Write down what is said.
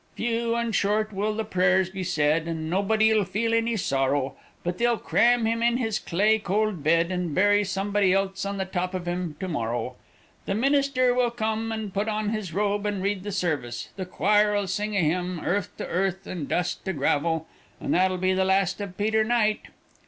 Few and short will the prayers be said, and nobody'll feel any sorrow: but they'll cram him into his clay cold bed, and bury somebody else on the top of him to morrow; the minister will come, put on his robe and read the service; the choir'll sing a hymn; earth to earth and dust to gravel, and that'll be the last of Peter Knight."